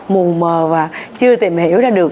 mù mờ và chưa tìm hiểu ra được